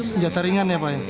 senjata ringan ya pak